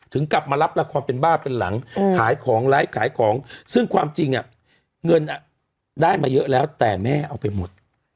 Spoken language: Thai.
กลับมารับละครเป็นบ้าเป็นหลังขายของไลฟ์ขายของซึ่งความจริงเงินได้มาเยอะแล้วแต่แม่เอาไปหมด